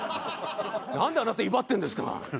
なんであなた威張ってるんですか。